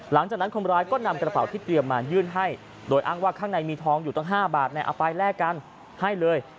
หลังจากนั้นคนร้ายก็นำกระเป๋าที่เตรียมมายื่นให้โดยอ้างว่าข้างในมีทองอยู่ตั้ง๕บาทเอาไปแลกกันให้เลย